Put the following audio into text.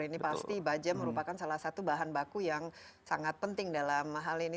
ini pasti baja merupakan salah satu bahan baku yang sangat penting dalam hal ini